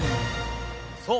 そう。